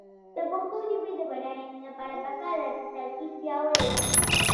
د پښتو ژبې د بډاینې لپاره پکار ده چې ترکیب پیاوړی شي.